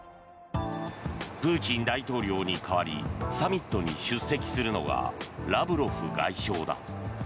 プーチン大統領に代わりサミットに出席するのがラブロフ外相だ。